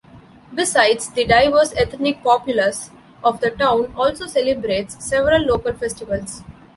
Besides, the diverse ethnic populace of the town also celebrates several local festivals.